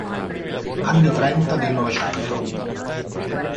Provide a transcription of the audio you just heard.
Anni Trenta del Novecento.